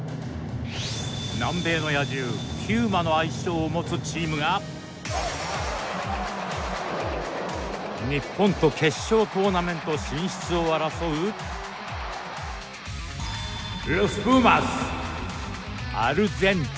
南米の野獣・ピューマの愛称を持つチームが日本と決勝トーナメント進出を争うロス・プーマス、アルゼンチン。